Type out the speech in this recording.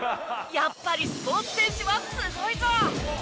やっぱりスポーツ選手はすごいぞ！